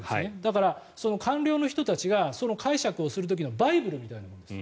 だから、官僚の人たちがその解釈をする時のバイブルみたいなものです。